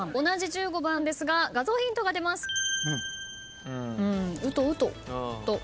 同じ１５番ですが画像ヒントが出ます。